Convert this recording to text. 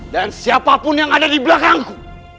dan siapapun yang ada di belakangku